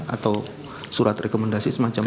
atau surat rekomendasi semacam itu